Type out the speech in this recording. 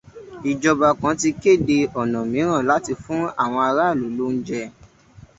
Ìjọba kan ti kéde ọ̀nà mìíràn láti fún àwọn ará ìlú lóúnjẹ